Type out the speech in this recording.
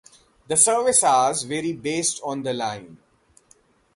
The service hours vary based on the line.